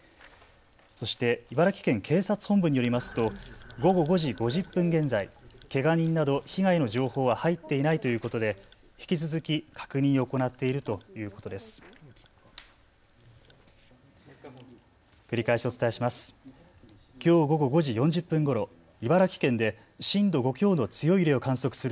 そして茨城県警察本部によりますと午後５時５０分現在、けが人など被害の情報は入っていないということで引き続き確認を行っているということです。